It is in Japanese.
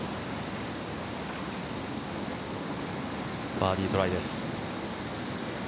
バーディートライです。